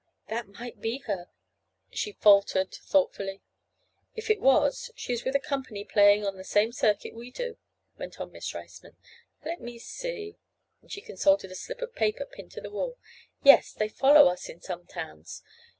"That might be her," she faltered thoughtfully. "If it was, she is with a company playing on the same circuit we do," went on Miss Riceman. "Let me see," and she consulted a slip of paper pinned to the wall. "Yes, they follow us in some towns.